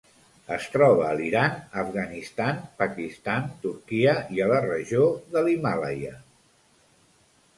Es troba a l'Iran, Afganistan, Pakistan, Turquia i a la regió de l'Himàlaia.